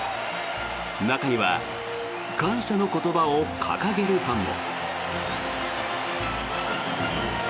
中には感謝の言葉を掲げるファンも。